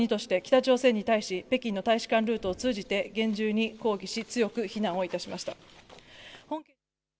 わが国として北朝鮮に対し北京の大使館ルートを通じて厳重に抗議し強く非難をいたしました。